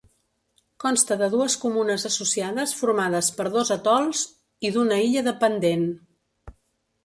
Consta de dues comunes associades formades per dos atols, i d'una illa dependent.